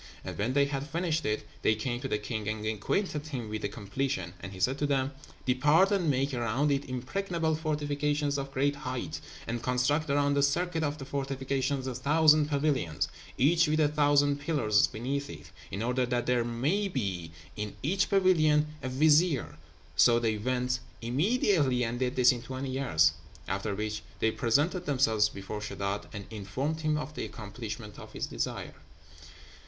And when they had finished it, they came to the king and acquainted him with the completion; and he said to them, "Depart, and make around it impregnable fortifications of great height, and construct around the circuit of the fortifications a thousand pavilions, each with a thousand pillars beneath it, in order that there may be in each pavilion a vizier." So they went immediately, and did this in twenty years; after which they presented themselves before Sheddád, and informed him of the accomplishment of his desire.